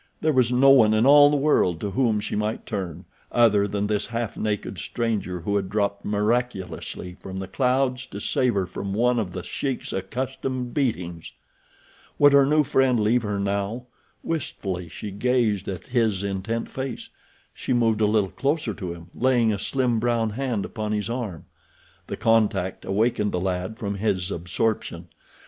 There was no one in all the world to whom she might turn, other than this half naked stranger who had dropped miraculously from the clouds to save her from one of The Sheik's accustomed beatings. Would her new friend leave her now? Wistfully she gazed at his intent face. She moved a little closer to him, laying a slim, brown hand upon his arm. The contact awakened the lad from his absorption.